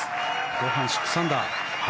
後半６アンダー。